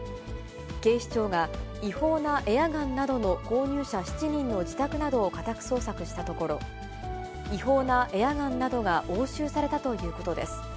警視庁が違法なエアガンなどの購入者７人の自宅などを家宅捜索したところ、違法なエアガンなどが応酬されたということです。